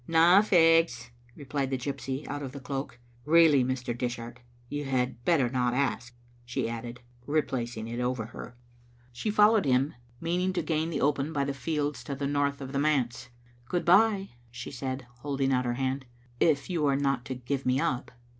"Na faags," replied the gypsy out of the cloak. "Really, Mr. Dishart, you had better not ask," she added, replacing it over her. Digitized by VjOOQ IC n Vbc Kittle Aintoter« She followed him, meaning to gain the open by the fields to the north of the manse. "Good bye," she said, holding out her hand, "if yon are not to give me up."